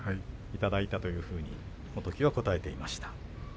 いただいたというふうに木村元基は答えていました。